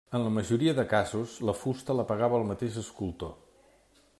En la majoria de casos, la fusta la pagava el mateix escultor.